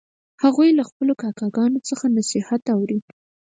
هغوی له خپلو کاکاګانو څخه نصیحت اوري